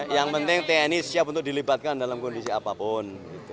yang penting tni siap untuk dilibatkan dalam kondisi apapun